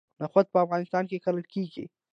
نخود په افغانستان کې کرل کیږي.